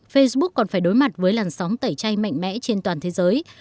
facebook còn phải đối mặt với làn sóng tẩy chay mạnh mẽ trên toàn thế giới